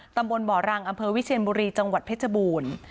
ตำบลบ่อรังอำเภอวิเชียนบุรีจังหวัดเพชรบูรณ์